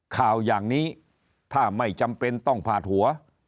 ข่าวอย่างนี้ถ้าไม่จำเป็นต้องพาดหัว